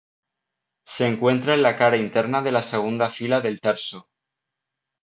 Se encuentra en la cara interna de la segunda fila del tarso.